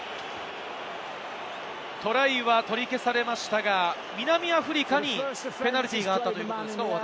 トライは取り消されましたが、南アフリカにペナルティーがあったということですか？